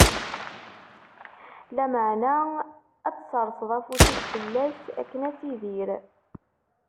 Lameɛna ad tserseḍ afus-ik fell-as akken ad tidir.